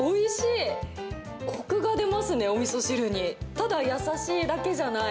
ただ優しいだけじゃない。